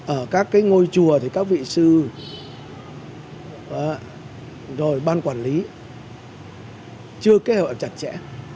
ở các cái ngôi chùa thì các vị sư rồi ban quản lý chưa kế hoạch chặt chẽ